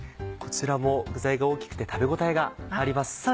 こちらも具材が大きくて食べ応えがあります。